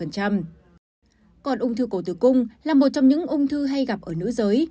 còn ung thư cổ tử cung là một trong những ung thư hay gặp ở nữ giới